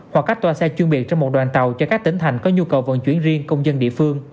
hoặc các toa xe chuyên biệt trong một đoàn tàu cho các tỉnh thành có nhu cầu vận chuyển riêng công dân địa phương